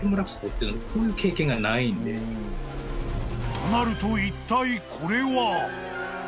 ［となるといったいこれは？］